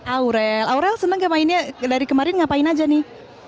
aurel aurel senang kayak mainnya dari kemarin ngapain aja nih